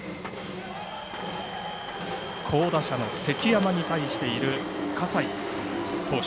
好打者の関山に対している葛西投手。